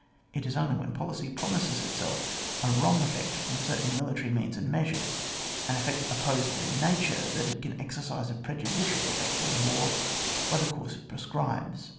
It is only when policy promises itself a wrong effect from certain military means and measures, an effect opposed to their nature, that it can exercise a prejudicial effect on war by the course .it prescribes.